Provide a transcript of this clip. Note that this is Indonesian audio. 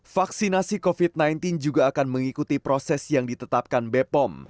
vaksinasi covid sembilan belas juga akan mengikuti proses yang ditetapkan bepom